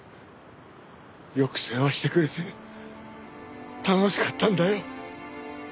よく世話してくれて楽しかったんだよ。